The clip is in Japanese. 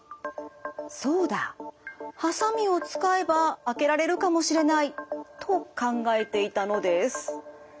そうだハサミを使えば開けられるかもしれないと考えていたのです。